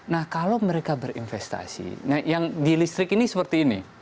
nah kalau mereka berinvestasi yang di listrik ini seperti ini